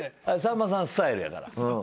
あれさんまさんスタイルやから。